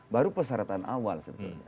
baru persyaratan awal